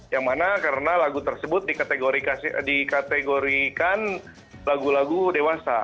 yang mana karena lagu tersebut dikategorikan lagu lagu dewasa